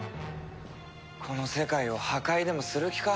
この世界を破壊でもする気か。